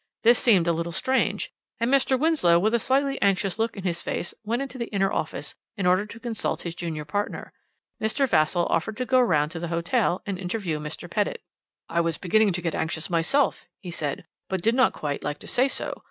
This seemed a little strange, and Mr. Winslow, with a slightly anxious look in his face, went into the inner office in order to consult his junior partner. Mr. Vassall offered to go round to the hotel and interview Mr. Pettitt. "'I was beginning to get anxious myself,' he said, 'but did not quite like to say so.